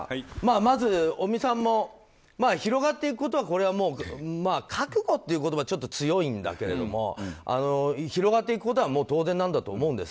まず尾身さんも覚悟っていう言葉はちょっと強いんだけれども広がっていくことはもう、当然なんだと思うんです。